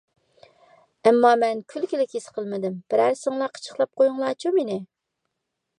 ئەمما مەن كۈلكىلىك ھېس قىلمىدىم. بىرەرسىڭلار قىچىقلاپ قويۇڭلارچۇ مېنى!